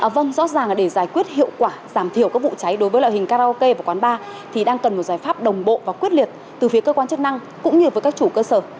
vâng rõ ràng để giải quyết hiệu quả giảm thiểu các vụ cháy đối với loại hình karaoke và quán bar thì đang cần một giải pháp đồng bộ và quyết liệt từ phía cơ quan chức năng cũng như với các chủ cơ sở